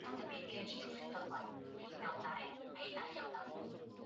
光学识别系统加入到第二代。